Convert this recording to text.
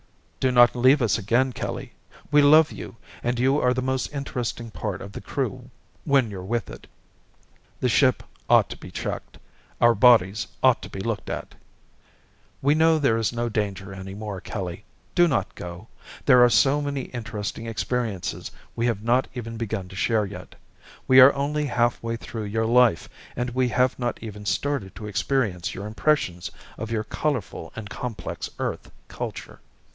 "Do not leave us again, Kelly. We love you and you are the most interesting part of the Crew when you're with it." "The ship ought to be checked. Our bodies ought to be looked at." "We know there is no danger any more, Kelly. Do not go. There are so many interesting experiences we have not even begun to share yet. We are only half way through your life and we have not even started to experience your impressions of your colorful and complex Earth culture.